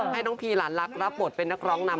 ให้น้องพีหลานลักษณ์รับบทเป็นนักร้องนำ